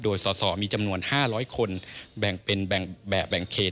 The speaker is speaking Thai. โดยสอสอมีจำนวน๕๐๐คนแบ่งเป็นแบ่งแบบแบ่งเขต